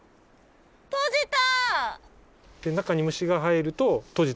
閉じた！